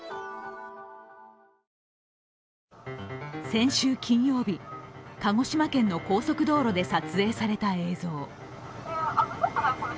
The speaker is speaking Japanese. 先週金曜日、鹿児島県の高速道路で撮影された映像。